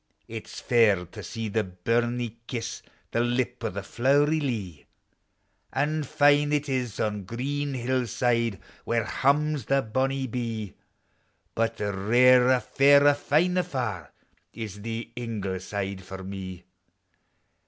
It 's fair to see the buruie kiss The lip o' the flow'ry lea ; An' fine it is on green hillside, Where hums the bonuie bee, But rarer, fairer, finer far Is the Ingle side for me.